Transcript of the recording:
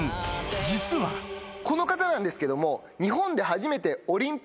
実はこの方なんですけども。